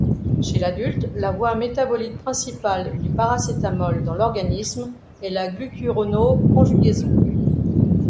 Chez l'adulte, la voie métabolique principale du paracétamol dans l'organisme est la glucurono-conjugaison.